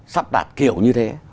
sắp đạt kiểu như thế